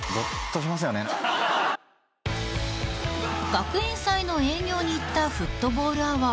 ［学園祭の営業に行ったフットボールアワー］